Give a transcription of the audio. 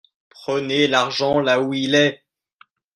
Prenez l’argent là où il est